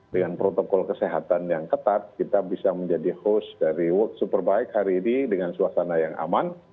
dengan protokol kesehatan yang ketat kita bisa menjadi host dari world superbike hari ini dengan suasana yang aman